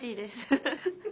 フフフッ。